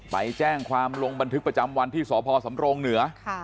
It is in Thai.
ไปแจ้งความลงบันทึกประจำวันที่สพสำรงเหนือ